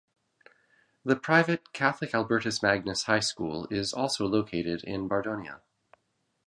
The private Catholic Albertus Magnus High School is also located in Bardonia.